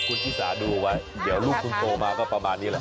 คุณชิสาดูไว้เดี๋ยวลูกคุณโตมาก็ประมาณนี้แหละ